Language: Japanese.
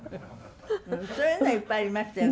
そういうのいっぱいありましたよね。